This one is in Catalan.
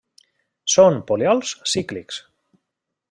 Són poliols cíclics.